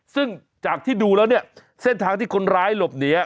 ซึ่งจากที่ดูแล้วเนี่ยเส้นทางที่คนร้ายหลบหนี